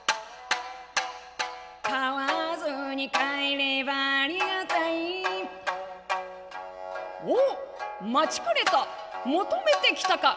買わずに帰ればありがたい「おっ待ちかねた求めてきたか」。